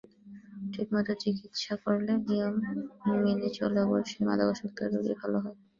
ঠিকমতো চিকিৎসা করলে, নিয়ম মেনে চললে অবশ্যই মাদকাসক্ত রোগী ভালো হয়।